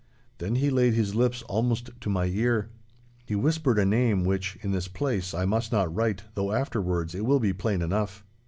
Then he laid his lips almost to my ear. He whispered a name which, in this place, I must not write, though afterwards it will be plain enough.